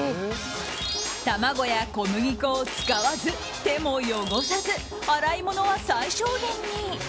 卵や小麦粉を使わず手も汚さず、洗い物は最小限に。